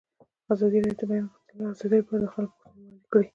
ازادي راډیو د د بیان آزادي لپاره د خلکو غوښتنې وړاندې کړي.